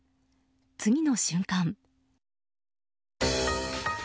次の瞬間。